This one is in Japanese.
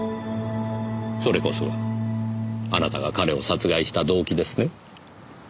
それこそがあなたが彼を殺害した動機ですね？